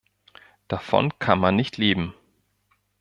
Davon kann man nicht leben.